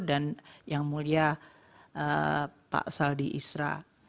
dan yang mulia pak saldi isra